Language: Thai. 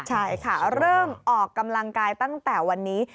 ใช่ค่ะเริ่มออกกำลังกายตั้งแต่วันนี้